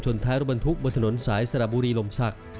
ท้ายรถบรรทุกบนถนนสายสระบุรีลมศักดิ์